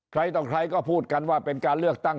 ใครต่อใครก็พูดกันว่าเป็นการเลือกตั้ง